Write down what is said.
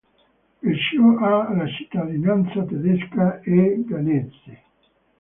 Perciò ha la cittadinanza tedesca e ghanese.